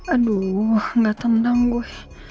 aduh gak tenang gue